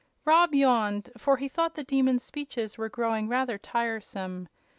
Rob yawned, for he thought the Demon's speeches were growing rather tiresome.